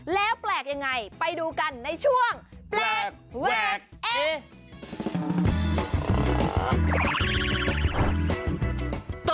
แล้วแปลกยังไงไปดูกันในช่วงแปลกแวกเอ